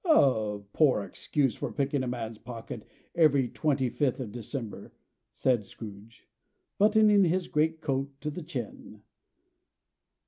"A poor excuse for picking a man's pocket every twenty fifth of December!" said Scrooge, buttoning his great coat to the chin.